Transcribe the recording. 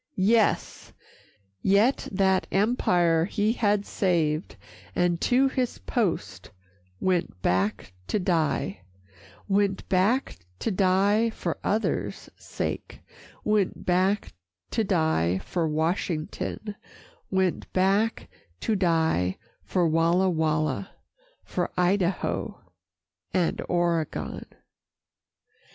Yes! yet that empire he had saved, And to his post went back to die, Went back to die for others' sake, Went back to die from Washington, Went back to die for Walla Walla, For Idaho and Oregon.